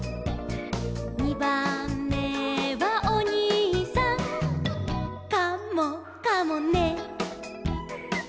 「にばんめはおにいさん」「カモかもね」